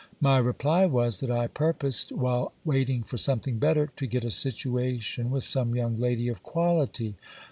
My reply was, that I purposed, while waiting for something better, to get a situation with some young lady of quality.